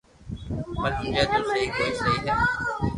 پر ھمجي تو سھي ڪي سھي ھي